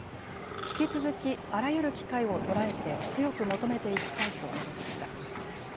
引き続きあらゆる機会を捉えて強く求めていきたいと述べました。